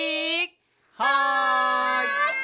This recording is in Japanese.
はい！